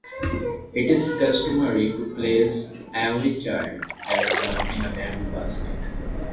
It is customary to place every child at birth in a bamboo basket.